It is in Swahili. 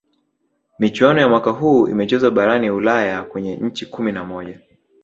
michuano ya mwaka huu imechezwa barani ulaya kwenye nchi kumi na moja